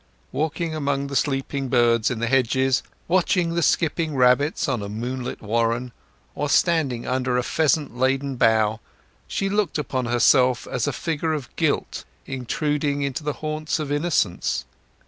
Walking among the sleeping birds in the hedges, watching the skipping rabbits on a moonlit warren, or standing under a pheasant laden bough, she looked upon herself as a figure of Guilt intruding into the haunts of Innocence.